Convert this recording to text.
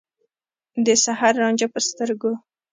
د سحر رانجه په سترګو